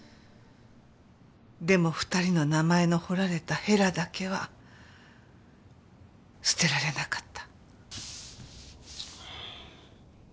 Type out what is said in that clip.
でも２人の名前の彫られたへらだけは捨てられなかった。